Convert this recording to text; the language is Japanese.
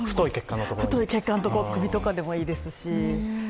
太い血管、首とかでもいいですし。